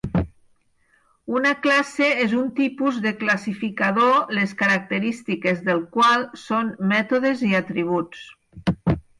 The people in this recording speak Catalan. Una classe és un tipus de classificador les característiques del qual són mètodes i atributs.